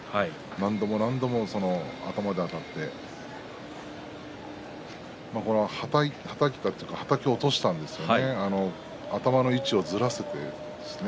何度も何度も頭であたってはたいたというか、はたき落としたんですね頭の位置をずらすということですね。